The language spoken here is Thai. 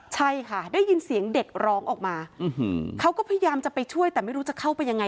ใช่ค่ะได้ยินเสียงเด็กร้องออกมาเขาก็พยายามจะไปช่วยแต่ไม่รู้จะเข้าไปยังไง